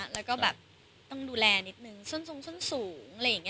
ต้องดูแลนิดนึงส่วนสูง